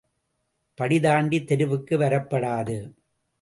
படிதாண்டி தெருவுக்கு வரப்படாது.